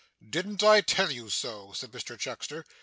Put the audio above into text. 'Didn't I tell you so?' said Mr Chuckster.